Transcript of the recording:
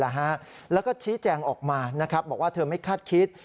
แล้วก็ชี้แจงออกมานะครับบอกว่าเธอไม่คาดคิด